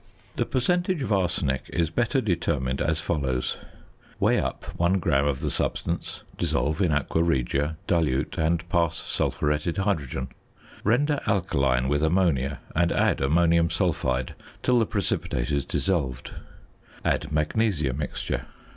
The percentage of arsenic is better determined as follows: Weigh up 1 gram of the substance, dissolve in aqua regia, dilute, and pass sulphuretted hydrogen. Render alkaline with ammonia, and add ammonium sulphide till the precipitate is dissolved. Add "magnesia mixture."